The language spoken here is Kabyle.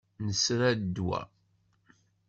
Nesra ddwa.